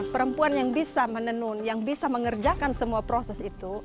perempuan yang bisa menenun yang bisa mengerjakan semua proses itu